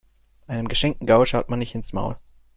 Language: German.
Einem geschenkten Gaul schaut man nicht ins Maul.